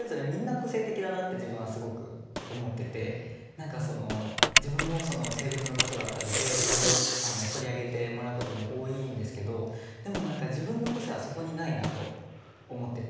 何か何か自分も性別のことだったりでいろいろ取り上げてもらうことも多いんですけどでも何か自分の個性はそこにないなと思ってて。